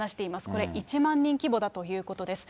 これ、１万人規模だということです。